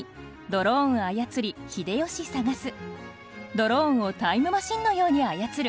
ドローンをタイムマシンのように操る。